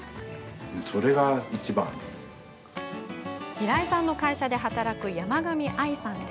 平井さんの会社で働く山神愛さん。